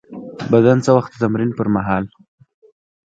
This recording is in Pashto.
بدن څه وخت د تمرین پر مهال